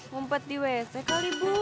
mumpet di wc kali bu